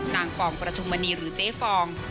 นางฟองประธุมนีหรือเจฟอง